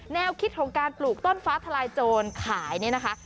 แนวคิดของการปลูกต้นฟ้าทลายโจรขายเนี่ยนะคะ